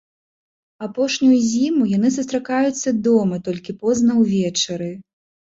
Апошнюю зіму яны сустракаюцца дома толькі позна увечары.